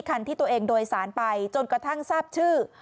คันที่ตัวเองโดยสารไปจนกระทั่งทราบชื่อ